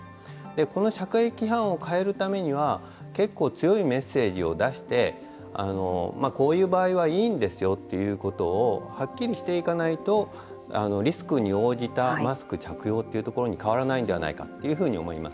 この社会規範を変えるためには結構強いメッセージを出してこういう場合はいいんですよということをはっきりしていかないとリスクに応じたマスク着用というところに変わらないんではないかというふうに思います。